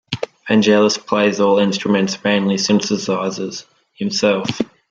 Vangelis plays all instruments, mainly synthesizers, himself.